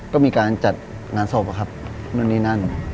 ก็มีการจัดงานศพอะครับนู่นนี่นั่น